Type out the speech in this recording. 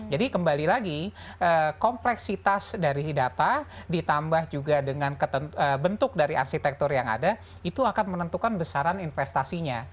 jadi kembali lagi kompleksitas dari data ditambah juga dengan bentuk dari arsitektur yang ada itu akan menentukan besaran investasinya